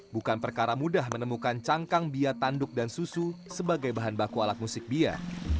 bukan perkara mudah menemukan cangkang bia tanduk dan susu sebagai bahan baku alat musik bia